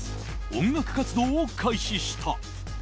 音楽活動を開始した。